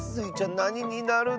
なにになるの？